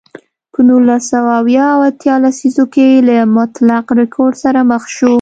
په نولس سوه اویا او اتیا لسیزو کې له مطلق رکود سره مخ شو.